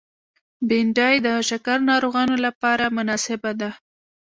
بېنډۍ د شکر ناروغانو لپاره مناسبه ده